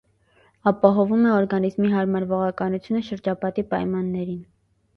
Ապահովում է օրգանիզմի հարմարվողականությունը շրջապատի պայմաններին։